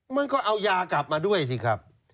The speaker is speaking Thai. มันก็เอายากลับมาด้วยสิครับ